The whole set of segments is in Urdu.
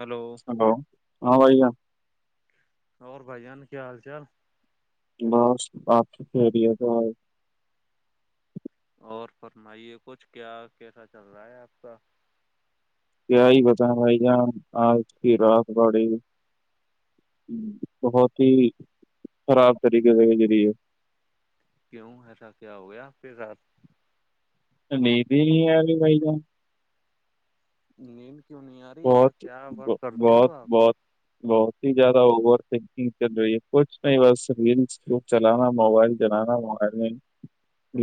ہلو ہلو ہاں بائی گا اور بھائی جان کیا حال چال بس بپی خھی رہ ہو تو آ [inaudible] اور فرمائیے کچھ کیا کیسا چل رہا ہے آپ کا کیا ہی بت بھائی جان آج کی رات بڑے گی بہت ہی خراب طریقے سے جیریی ہے کیوں ہےسا کیا ہو گیا پھر رات تو نہیں بھی نہیں بھ ج [inaudible] نیند کیوں نہیں آ رہی ایسا بہت کیا ا کرتے ہو بہت آپ بہت بہت ہی زیادہ اوور تھنکنگ چل رہی ہے کچھ نہیں بس ریلس [inaudible] چلانا موبائل جلانا موبائل میں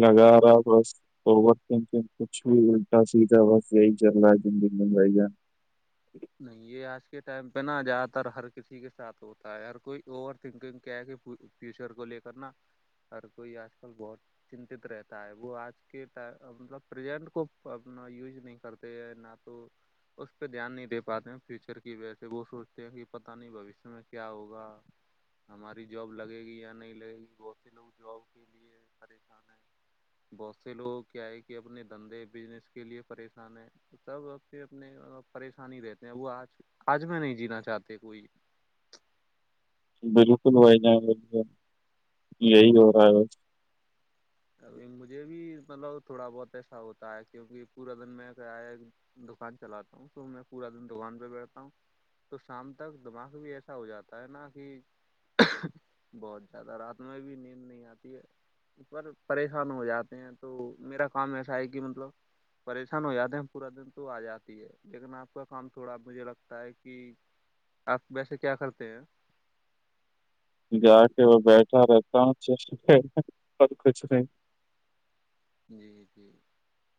لگا رہا بس اورقت کچھ بھی الٹا سیدھا بس یہی چل رہا ہے زندگی میں جے گا نہیں یہ آج کے ٹائم پہ نا زیادہ تر ہر کسی کے ساتھ ہوتا ہے ہر کوئی اوور تھنکنگ کیا ہے کہ فیوچر کو لے کر نا ہر کوئی آج کل بہت چنت رہتا ہے وہ آج کے مطلب پرزنٹ کو اپنا یوز نہیں کرتے ہیں نہ تو اس پہ دھیان نہیں دے پ پاتے ہیں فیوچر کی وجہ سے وہ سوچتے ہیں کہ پتاہ نہیں بوشیہ میں کیا ہوگا ہماری جاب لگے گی یا نہیں لگے گی بہت سے لوگ جاب کے لیے پریشان ہے بہت سے لوگ کیا ہے کہ اپنے دھندے بزنس کے لیے پریشان ہیں تبھر اپنے پریشانی رہتے ہیں وہ آج آج میں نہیں جینا چاہتے کوئی بالکل وہائی نہیں یہی ہو رہا ہے ابھی مجھے بھی مطلب تھوڑا بہت ایسا ہوتا ہے کیونکہ پورا دن میں کہ ہے دکان چلاتا ہوں تو میں پورا دن دکان پہ بیٹھتا ہوں تو شام تک دماغ بھی ایسا ہو جاتا ہے نا کہ بہت زیادہ رات میں بھی نیند نہیں آتی ہے ا پر پریشان ہو جاتے ہیں تو میرا کام ایسا ہے کہ مطلب پریشان ہو جاتے ہیں پورا دن تو آ جاتی ہے لیکن آپ کا کام تھوڑا مجھے لگتا ہے کہ آپ ویسے کیا کرتے ہیں جا کے وہ بیٹھا رہتا اور کچھ نہیں [inaudible] جی جی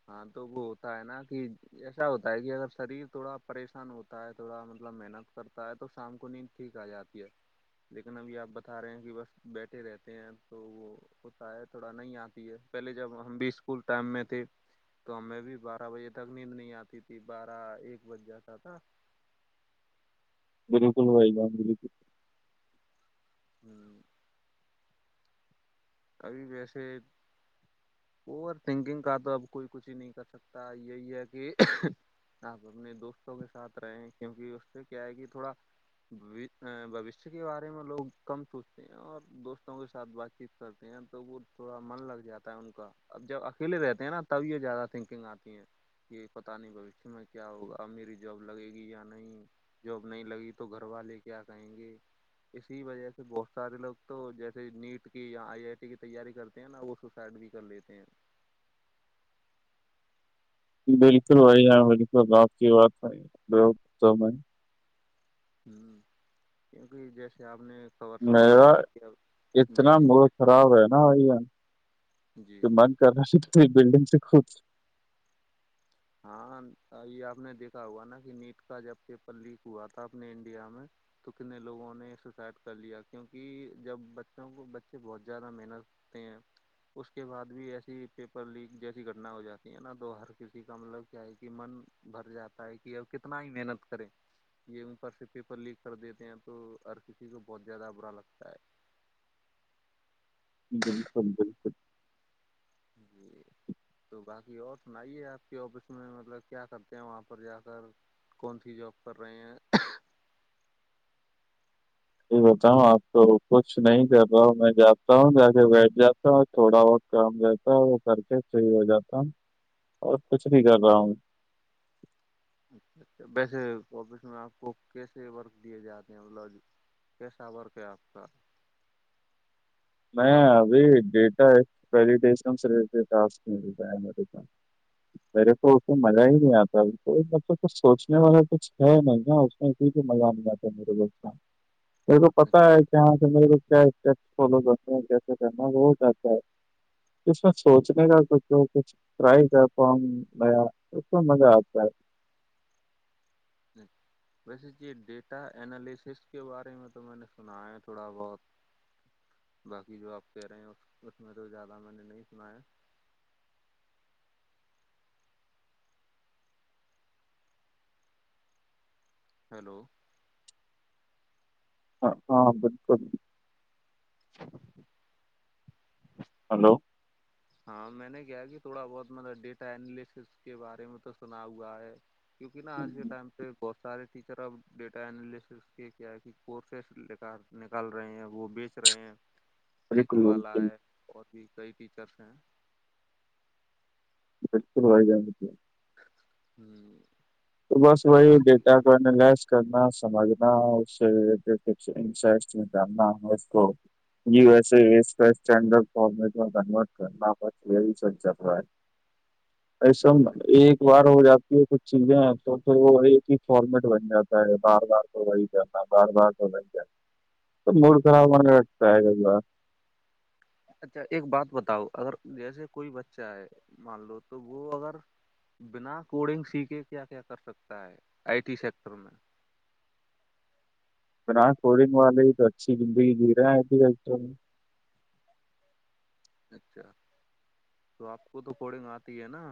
ہاں تو وہ ہوتا ہے نا کہ ایسا ہوتا ہے کہ اگر شریر تھوڑا پریشان ہوتا ہے تھوڑا مطلب محنت کرتا ہے تو شام کو نیند ٹھیک آ جاتی ہے لیکن ابھی آپ بتا رہے ہیں کہ بس بیٹھے رہتے ہیں تو وہ ہوتا ہے تھوڑا نہیں آتی ہے پہلے جب ہم بھی اسکول ٹائم میں تھے تو ہمیں بھی بارہ بجے تک نیند نہیں آتی تھی بارہ ایک بج جاتا تھا بالکل بھائی جان بالکل ہوں [inaudible] کبھی ویسے اوور تھنکنگ کا تو اب کوئی کچھ ہی نہیں کر سکتا یہی ہے کہ آپ اپنے دوستوں کے ساتھ رہے کیونکہ اس سے کیا ہے کہ تھوڑا بھشیہ کے بارے میں لوگ کم سوچتے ہیں اور دوستوں کے ساتھ بات چیت کرتے ہیں تو وہ تھوڑا من لگ جاتا ہے ان کا اب جب اکیلے رہتے ہیں نا تب یہ زیادہ تھنکنگ آتی ہیں یہ پتاہ نہیں بھشتی میں کیا ہوگا اب میری جاب لگے گی یا نہیں جاب نہیں لگی تو گھر والے کیا کہیں گے اسی وجہ سے بہت سارے لوگ تو جیسے نیٹ کہ یہاں آئی آئی ٹی کی تیاری کرتے ہیں نا وہ سوسائڈ بھی کر لیتے ہیں بالکل بھ ہ بالکل آپ کی بات بھائی ب تو میں ہوں کیونکہ جیسے آپ نے خبر سنی میرا ہگی کہ اب اتنا جی موڈ خراب ہے نا جی تو جی من کرنا ش بڈنگ سے خود ہاں یہ آپ نے دیکھا ہوا نا کہ نیٹ کا جب پیپر لیک ہوا تھا اپنے انڈیا میں تو کتنے لوگوں نے سوسائڈ کر لیا کیونکہ جب بچوں کو بچے بہت زیادہ محنت ت ہیں اس کے بعد بھی ایسی پیپر لیک جیسی گٹنا ہو جاتی ہے نا تو ہر کسی ھیک ہم لوگ کیا ہے کہ من بھر جاتا ہے کہ ا کتنا ہی محنت کرے یہ اوپر سے پیپر لیک کر دیتے ہیں تو ہر کسی کو بہت زیادہ برا لگتا ہے بالکل بالکل جی تو باقی اور سنائیے آپ کے آفس میں مطلب کیا کرتے ہیں وہاں پر جا کر کون سی جاب کر رہے ہیں یہ بتاؤ آپ تو کچھ نہیں کر رہا ہ میں جاتا ہوں جا کے بیٹھ جاتا ہوں تھوڑا بہت کام رہتا ہے وہ کر کے صحیح ہو جاتا ہوں اور کچھ بھی کر رہا ہوں اچھا اچھا ویسے آفس میں آپ کو کیسے ورک دیے جاتے ہیں لوج کیسا ورق ہے آپ کا میں ابھی ڈیٹالتا مے پ میرے تو اس میں مزہ ہی نہیں آتا مطب کچ سوچنے والا کچھ ہے نہیں ن ج م میر میر تو پتا ہے کہاں سے مے کیا اسٹی فالو کر سے کہنا وہ کہتا ہے اس میں سوچنے کا کچھ اور کچھ ٹرائی کرتا گیا اس مزہ آتا ہے [unintelligible] ویسے جی ڈیٹا انینالسس کے بارے میں تو میں نے سنا ہے تھوڑا بہت باقی جو آپ کہہ رہے ہیں اس اس میں تو زیادہ میں نے نہیں سنا ہے ہیلو ہاں ہاں بالکل بکل [unintelligible] ہلو ہاں میں نے کیا کہ تھوڑا بہت مطلب ڈیٹا انالسس کے بارے میں تو سنا ہوا ہے کیونکہ نا آج کے ٹائم سے بہت سارے ٹیچر اب ڈیٹا االسس کے کیا کہ کورسز لے کر کال رہے ہیں وہ بیچ رہے ہیں [unintelligible] فزکس والا بالکل ہے اور بھی کئی ٹیچرس ہیں بالکل وہ جا ہوں تو بس وہی بیٹا کرنا سمجھنا اس جاننا اس کو جی ویسے اس کو سٹینڈرڈ میں کنورٹ کرتا ہے ایسا اچھا ایک بار ہو جاتی ہے کچھ چیزیں تو تو وہ ایک ہی فارمیٹ بن جاتا ہے بار بار تو وہی جانا بار بار تو وہی جا موڈ خراب آنے رگتا ہے اللہ اچھا ایک بات بتاؤ اگر جیسے کوئی بچہ ہے مان لو تو وہ اگر بنا کوڈنگ سیکھے کیا کیا کر سکتا ہے آئی ٹی سیکٹر میں بن کوڈنگ والے ہی تو اچھی زندگی جی رہے ہیں ابھیٹر میں اچھا تو آپ کو تو پڈنگ آتی ہے نا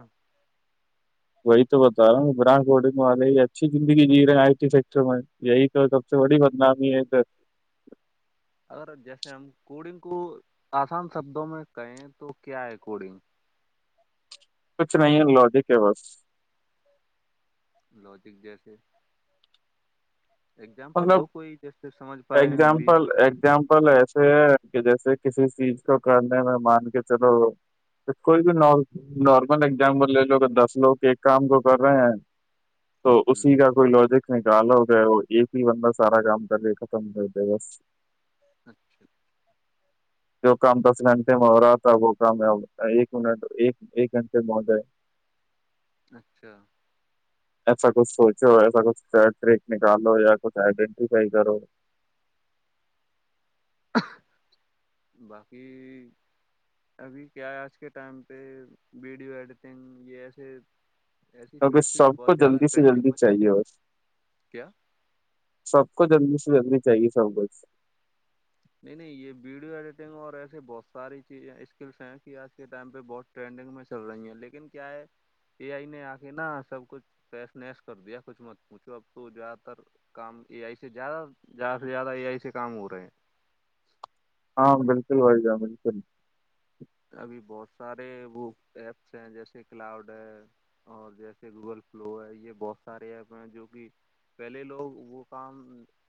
وہی تو بتا رہا ب والے یہ اچھی زندگی جی رہے ہیں آئی فیکٹر میں یہی تو سب سے بڑی بدنامی ہے اگر جیسے ہم کوڈنگ کو آسان شبدوں میں کہیں تو کیا ہے کوڈنگ کچھ نہیں ہے لوجی کے بس لوجک جیسے اگزامپل مطلب دو کوئی جیسے سمجھ پائے ہم بھی اگزامپل اگزامپ پل ایسے ہیں کہ جیسے کسی چیز کو کرنے میں مان کے چلو کوئی بھی نارمل ایگزامپل لے لو کہ دس لوگ ایک کام کو کر رہے ہیں تو ہ اسی کا کوئی لوجک نہیں کال ہو گ ہے وہ ایک بندہ سارا کام کرے ختم کرتے بس اچھا ج جو کام دس گھنٹے میں ہو رہا تھا وہ کام ایک منٹ ایک ایک گھنٹے میں ہو جائے ھم اچھا ایسا کچھ سوچو ایسا کچھ ٹریک نکالو یا کچھ آئیڈینٹیفائی کرو باقی ابھی کیا ہے آج کے ٹائم پہ ویڈیو ایڈیٹنگ یہ ایسے ایسی چ کیونکہ سب بہت کو زیادہ جلدی سے ٹرینڈنگ پ جلدی چل چاہیے بس کیا سب کو جلدی سے جلدی چاہیے سب سے نہیں نہیں یہ ویڈیو ایڈیٹنگ اور ایسسی بہت ساری چیزیں اسکلس ہیں کہ آج کے ٹائم پہ بہت ٹرینڈنگ میں چل رہی ہیں لیکن کیا ہے سی آئی نے آ کے نا سب کچھ فیش نس کر دیا کچھ مت پوچھو اب تو زیادہ تر کام اے آئی سے زیادہ زیادہ سے زیادہ اے آئی سے کام ہو رہے ہیں ہاں بالکل وائی گا بالکل ابھی بہت سارے وہ ایپس ہیں جیسے کلاؤڈ ہے اور جیسے گوگل فلو ہے یہ بہت سارے ایپ ہیں جو کہ پہلے لوگ وہ کام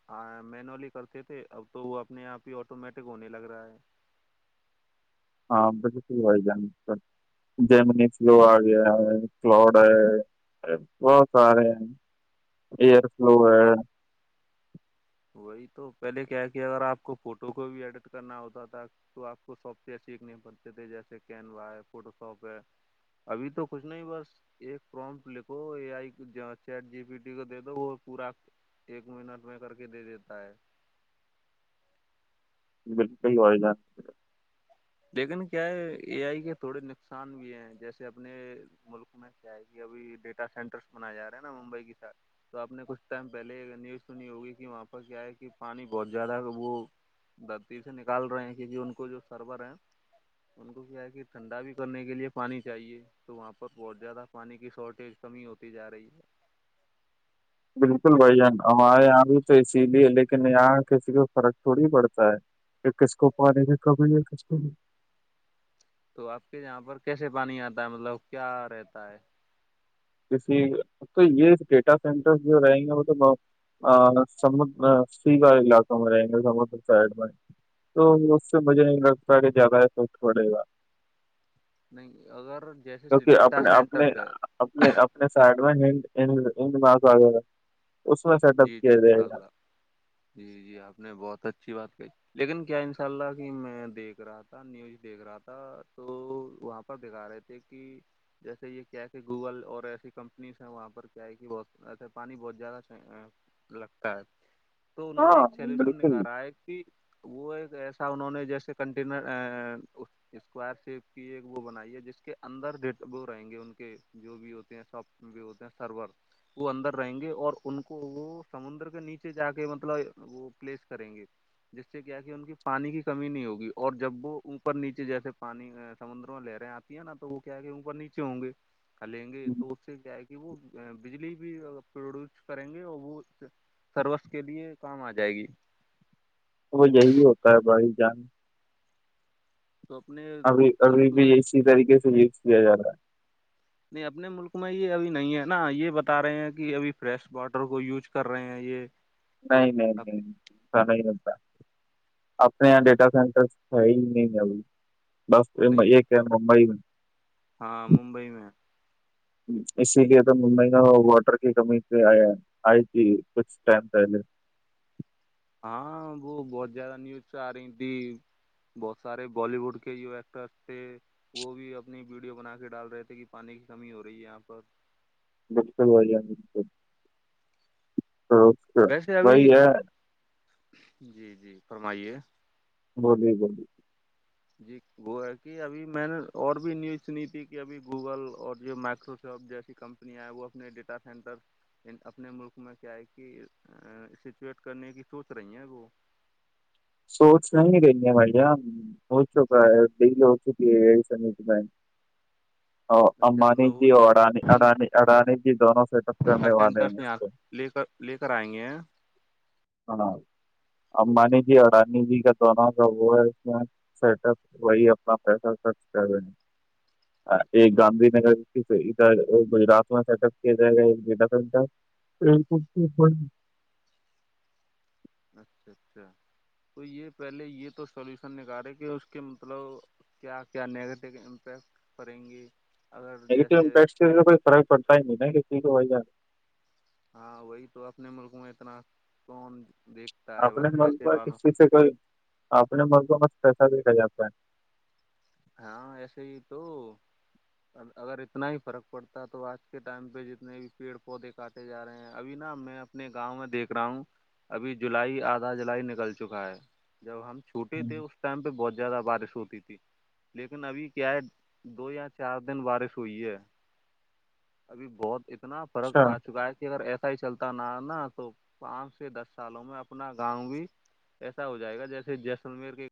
ہاں مینولی کرتے تھے اب تو وہ اپنے آپ ہی آٹومیٹک ہونے لگ رہا ہے ہاں بسے س ہو جائان س جیمنی فلو آ گیا ہے فلڈ ہے بہت سارے ہیں ایئر فلو ہے وہی تو پہلے کیا کیا اگر آپ کو فوٹو کو بھی ایڈٹ کرنا ہوتا تھا تو آپ کو ساپ سے سیکھنے پڑتے تھے جیسے کینرا ہے فوٹو شاپ ہے ابھی تو کچھ نہیں بس ایک فونٹ لکھو اے آئی چٹ جی پ ٹی کو دے دو وہ پورا ایک منٹ میں کر کے دے دیتا ہے بالکی ہو گا لیکن کیا ہے اے آئی کے تھوڑے نقصان بھی ہیں جیسے اپنے ملک میں کیا ہے کہ ابھی ڈیٹا سینٹرس بنایا جا ہے نا ممبئی کی سات تو آپ نے کچھ ٹائم پہلے نیوز سنی ہوگی کہ وہاں پر کیا ہے کہ پانی بہت زیادہ وہ دتی سے نکال رہے ہیں کیونکہ ان کو جو سرور ہے ان کو کیا ہے کہ ٹھنڈا بھی کرنے کے لیے پانی چاہیے تو وہاں پر بہت زیادہ پانی کی شارٹیج کمی ہوتی جا رہی ہے بالکل بھ جان ہمارے یہاں بھی تو اسی لیے لیکن یہاں کسی کو فرق تھوڑی پڑتا ہے یہ کس کو پے میں کبھی کس کو نہیں تو آپ کے یہاں پر کیسے پانی آتا ہے مطلب کیا رہتا ہے جسی تو یہ ڈیٹا سینٹر جو رہیں گے وہ تو آ بہت- سم کار للاقم وے سمدر تو اس سے مجھے نہیں لگتا کہ زیادہ فقت پڑے گا نہیں اگر جیسے کیونکہ ڈیٹا اپنے سینٹر اپنے پہ اپنے اپنے سائڈ میں ہڈ مک وہ اس میں سیٹ اپ جی جی کیا جائے انشاء گا اللہ جی جی آپ نے بہت اچھی بات کہی لیکن کیا ان شاء اللہ کہ میں دیکھ رہا تھا نیوز دیکھ رہا تھا تو وہاں پر دکھا رہے تھے کہ جیسے یہ کیا کہ گوگل اور ایسی کمپنیز ہیں وہاں پر کیا ہے کہ بہت ایسے پانی بہت زیادہ لگتا ہے تو انہوں نے ایک ہاں سلوشن بالکل نکالا ہے کہ وہ ایک ایسا انہوں نے جیسے کنٹینر اسکوائر شیپ کی ایک وہ بنائی ہے جس کے اندر ڈ وہ رہیں گے ان کے جو بھی ہوتے ہیں سب بھی ہوتے ہیں سرور وہ اندر رہیں گے اور ان کو وہ سمندر کے نیچے جا کے مطلب وہ پلیس کریں گے جس سے کیا کہ ان کی پانی کی کمی نہیں ہوگی اور جب وہ اوپر نیچے جیس پانی سمندروں لے رہے ہیں آتے تی نہ تو وہ کیا کے اوپر نیچے ہوں گے لیں گے تو اس سے کیا ہے کہ وہ بجلی بھی پروڈیوس کریں گے اور وہ سروس کے لیے کام آ جائے گی وہ یہی ہوتا ہے بڑی جان تو اپنے ابھی ملک ابھی بھی میں اسی طریقے سے یوز کیا جا رہا ہے نہیں اپنے ملک میں یہ ابھی نہیں ہے نا یہ بتا رہے ہیں کہ ابھی فریش واٹر کو یوج کر رہے ہیں یہ نہیں نہیں نہیں ایا نہیں ہوتا اپنے یہاں ڈیٹا سینٹر ہے نہیں بس نہیں یہ کہ ممبئی میں ہاں ممبئی میں اسی لیے تو مہینہ واٹر کی کمی پ آ آئی تھی کچھ ٹائم پہلے ہاں وہ بہت زیادہ نیوز سے آ رہی تھی بسارے بیوڈ کے جو ایکٹے وہ بھی اپنی ویڈیو بنا کے ڈال رہے تھے کہ پانی کی کمی ہو رہی ہے یہاں پر بالکل بیا بالکل تو ویسے ابھی وہی ہے جی جی فرمائیے بولی بولی جی وہ ہے کہ ابھی میں نے اور بھی نیوز سنی تھی کہ ابھی گوگل اور جو مائیکروسافٹ جیسی کمپنی اپ وہ اپنے ڈیٹا سینٹر اپنے ملک میں کیا ہے کہ سچویٹ کرنے کی سوچ رہی ہیں وہ سوچ نہیں رہے بھ ہو چکا ہے ڈیل ہو چکی ہے ای میں اچھا امبانی مطلب جی وہ اور اڈانی اڈانی اڈانی جی دونوں سے ڈیٹا میں والے ہیں سینٹر اس یہاں پہ لے کر لے کر آئیں گے ہاں امبانی جی ارانی جی کا دونوں کا وہ ہے اس سٹ اپ وہی اپنا پیسہ خرچ کر رہے ہیں ایک گاندھی نگر ادھر گجرات میں سیٹ اپ کیا جائے گا ایک ڈیٹا سٹر اچھا اچھا تو یہ پہلے یہ تو سلیوشن نکالارے کہ اس کے مطلب کیا کیا نگیٹیو امپیکٹ پڑیں گی گیویکئی فرق پڑتا ہی نہیں ہےا کسی کو وہی ہے ہاں وہی تو اپنے ملک میں اتنا کون دیکھتا ہے اپنے بس ملک پیسے کا والوں کسی سے ک [unintelligible] اپنے مردوں مس پیسہ بھیے لے جاتا ہے ہاں ایسے ہی تو اگر اتنا ہی فرق پڑتا ہے تو آج کے ٹائم پہ جتنے بھی پیڑ پودے کاٹے جا رہے ہیں ابھی نا میں اپنے گاؤں میں دیکھ رہا ہوں ابھی جولائی آدھا جولائی نکل چکا ہے جب ہم چ ٹوٹے ہے تھے اس ٹائم پہ بہت زیادہ بارش ہوتی تھی لیکن ابھی کیا ہے دو یا چار دن بارش ہوئی ہے ابھی بہت اتنا فرق اچھا آ چکا ہے کہ اگر ایسا ہی چلتا ن نا تو پانچ سے دس سالوں میں اپنا گاؤں بھی ایسا ہو جائے گا جیسے جیسلمیر کے